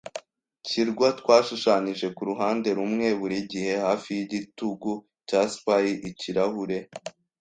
kirwa, twashushanyije, kuruhande rumwe, burigihe hafi yigitugu cya Spy-ikirahure,